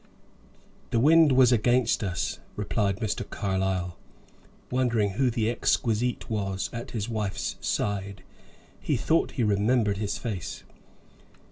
"The wind was against us," replied Mr. Carlyle, wondering who the exquisite was at his wife's side. He thought he remembered his face.